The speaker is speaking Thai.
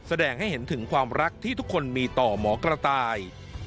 แสดงให้เห็นถึงความรักที่ทุกคนมีต่อหมอกระต่าย